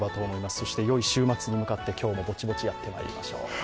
そしてよい週末に向かって今日もぼちぼちやってまいりましょう。